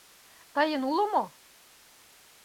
— Тыйын уло мо?